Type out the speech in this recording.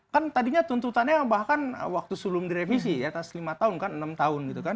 kan tadinya tuntutannya bahkan waktu sebelum direvisi ya atas lima tahun kan enam tahun gitu kan